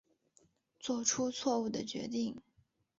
做出错误的决定